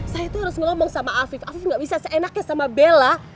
saya itu harus ngomong sama afif afif gak bisa seenaknya sama bella